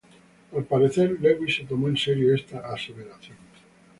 Al parecer Lewis se tomó en serio esta aseveración.